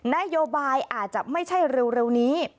นโยบายอาจจะไม่ใช่เร็วนี้